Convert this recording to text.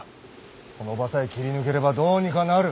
この場さえ切り抜ければどうにかなる。